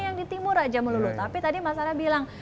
yang di timur aja melulu tapi tadi masalah bilang